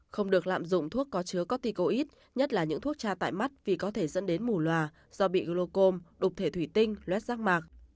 không được lạm dụng thuốc có chứa corticoid nhất là những thuốc cha tại mắt vì có thể dẫn đến mù loà do bị glocom đục thể thủy tinh loét rác mạc